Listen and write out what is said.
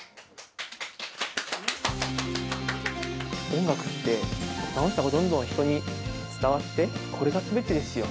音楽って、楽しさがどんどん人に伝わって、これがすべてですよ。